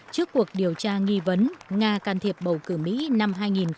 trước cuộc điều tra nghi vấn nga can thiệp bầu cử mỹ năm hai nghìn một mươi một